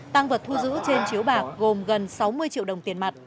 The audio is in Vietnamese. tang vật thu giữ trên chiếu bạc gồm gần sáu mươi triệu đồng